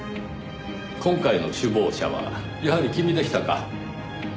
今回の首謀者はやはり君でしたか。